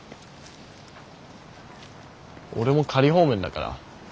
俺も仮放免だから。